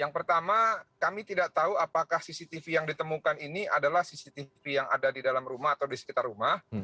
yang pertama kami tidak tahu apakah cctv yang ditemukan ini adalah cctv yang ada di dalam rumah atau di sekitar rumah